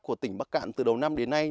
của tỉnh bắc cạn từ đầu năm đến nay